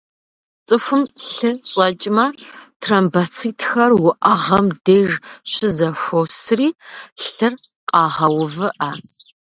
Цӏыхум лъы щӏэкӏмэ, тромбоцитхэр уӏэгъэм деж щызэхуосри, лъыр къагъэувыӏэ.